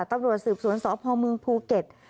ตำรวจสืบสวนสพเมืองภูเก็ต